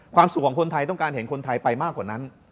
ความสุขของคนไทยต้องการเห็นคนไทยไปมากกว่านั้น